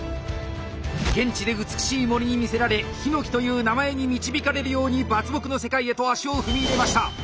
現地で美しい森に魅せられ陽樹という名前に導かれるように伐木の世界へと足を踏み入れました！